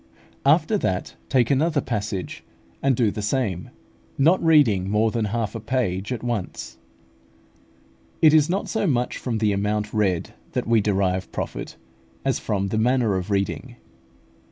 After that, take another passage, and do the same, not reading more than half a page at once. It is not so much from the amount read that we derive profit, as from the manner of reading.